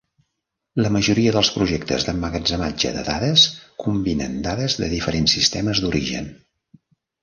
La majoria dels projectes d'emmagatzematge de dades combinen dades de diferents sistemes d'origen.